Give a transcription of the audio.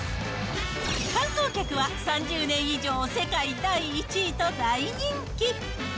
観光客は３０年以上、世界第１位と大人気。